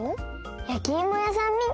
やきいもやさんみたい！